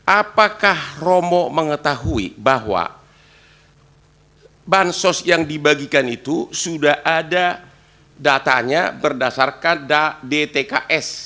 apakah romo mengetahui bahwa bansos yang dibagikan itu sudah ada datanya berdasarkan dtks